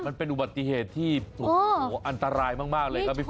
มันเป็นอุบัติเหตุที่โอ้โหอันตรายมากเลยครับพี่ฝน